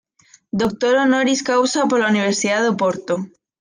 Doctor honoris causa por la Universidad de Oporto.